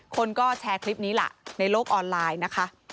คนก็แชร์คลิปนี้ล่ะในโลกออนไลน์นะคะ